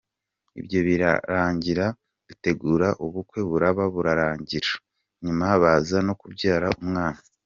Ibyo birarangira dutegura ubukwe buraba burarangira, nyuma baza no kubyara umwana.